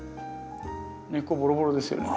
根っこボロボロですよね？